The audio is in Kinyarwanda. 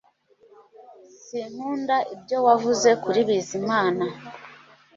Sinkunda ibyo wavuze kuri Bizimana